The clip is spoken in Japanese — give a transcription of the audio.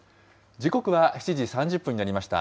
時刻は７時３０分になりました。